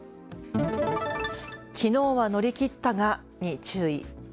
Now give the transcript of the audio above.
きのうは乗り切ったがに注意。